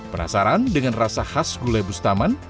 penasaran dengan rasa khas gulai bustaman